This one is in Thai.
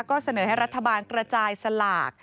ก็เสนอให้รัฐบาลกระจายสลาก